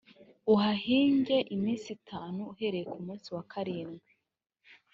uhahinge iminsi itanu uhereye ku munsi wa karindwi